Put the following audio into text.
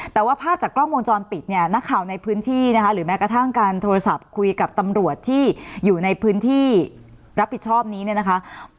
แต่ว่าภาพจากกล้องวงจรปิดเนี่ยนักข่าวในพื้นที่นะคะหรือแม้กระทั่งการโทรศัพท์คุยกับตำรวจที่อยู่ในพื้นที่รับผิดชอบนี้เนี่ยนะคะ